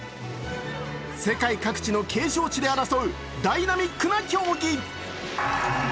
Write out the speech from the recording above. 世界各地の景勝地で争うダイナミックな競技。